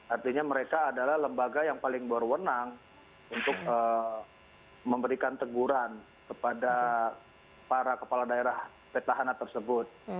artinya mereka adalah lembaga yang paling berwenang untuk memberikan teguran kepada para kepala daerah petahana tersebut